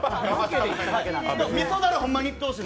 みそダレ、ホンマにいってほしい。